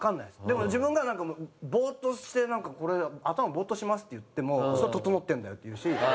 でも自分がなんかもうぼーっとして「なんかこれ頭ぼーっとします」って言っても「それととのってんだよ！」って言うし。